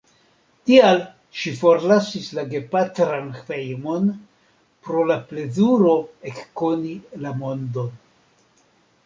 Tial ŝi forlasis la gepatran hejmon, pro la plezuro ekkoni la mondon.